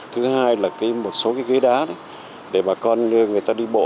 thứ hai là một số cái ghế đá để bà con người ta đi bộ